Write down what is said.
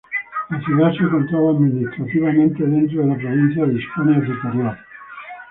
La ciudad se encontraba administrativamente dentro de la provincia de Hispania Citerior.